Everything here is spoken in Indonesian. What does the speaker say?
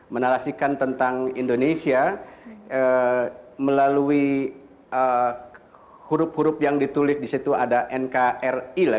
menarasikan tentang indonesia melalui huruf huruf yang ditulis di situ ada nkri lah